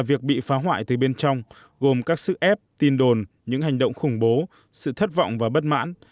việc bị phá hoại từ bên trong gồm các sức ép tin đồn những hành động khủng bố sự thất vọng và bất mãn